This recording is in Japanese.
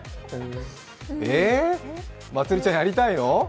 えー、まつりちゃんやりたいの？